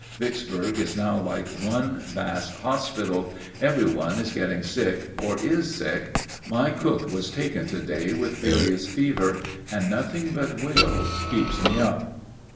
Vicksburg is now like one vast hospital every one is getting sick or is sick. My cook was taken to day with bilious fever, and nothing but will keeps me up.